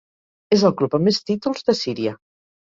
És el club amb més títols de Síria.